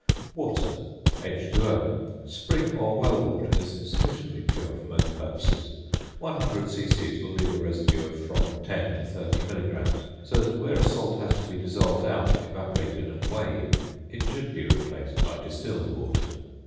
"~Water~," H_O. Spring or well water is sufficiently pure for most purposes, 100 c.c. will leave a residue of from 10 to 30 milligrams, so that where a salt has to be dissolved out, evaporated, and weighed it should be replaced by distilled water.